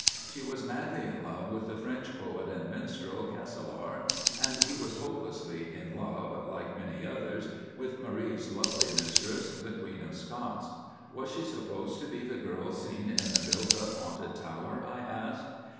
She was madly in love with the French poet and minstrel, 'Castelar,' and he was hopelessly in love, like many others, with Marie's lovely mistress, 'the Queen of Scots.'" "Was she supposed to be the girl seen in the built up haunted tower?" I asked.